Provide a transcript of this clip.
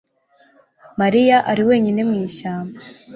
Mariya ari wenyine mu ishyamba